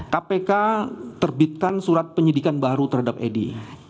kpk terbitkan surat penyidikan baru terhadap edi